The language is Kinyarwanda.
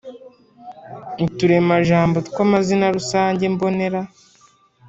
Uturemajambo tw amazina rusange mbonera